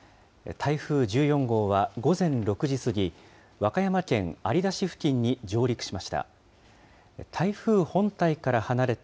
台風１４号は午前６時過ぎ、和歌山県有田市付近に上陸しました。